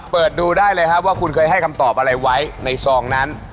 เปิดดูได้เลยครับว่าคุณเคยให้คำตอบอะไรไว้ในซองนั้น